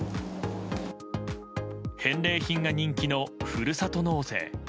返礼品が人気のふるさと納税。